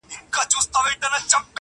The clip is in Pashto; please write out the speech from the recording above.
پر مردارو وي راټول پر لویو لارو،